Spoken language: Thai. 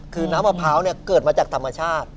คือน้ำมะพร้าวเกิดมาจากธรรมชาติ